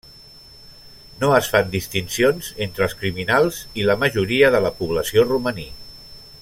No es fan distincions entre els criminals i la majoria de la població romaní.